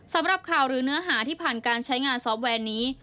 สำหรับข่าวหรือเนื้อหาที่ผ่านการใช้งานซอฟต์แวนนี้